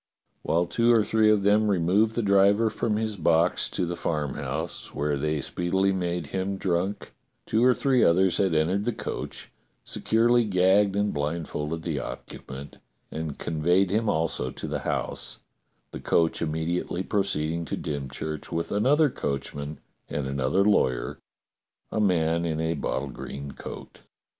While two or three of them removed the driver from his box to the farmhouse, where they speedily made him drunk, AN ATTORNEY FROM RYE 221 two or three others had entered the coach, securely gagged and blindfolded the occupant, and conveyed him also to the house, the coach immediately proceed ing to Dymchurch with another coachman and another lawyer, a man in a bottle green coat.